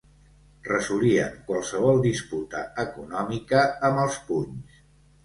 Resolien qualsevol disputa econòmica amb els punys.